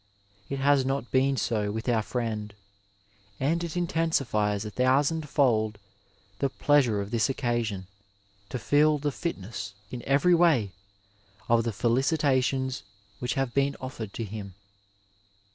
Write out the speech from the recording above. It has not been so with our friend, and it intensifies a thousandfold the plea sure of this occasion to feel the fitness, in every way, of the felicitations which have been ofitered to him.